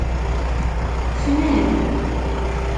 Fnan